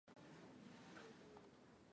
Mistari imepotea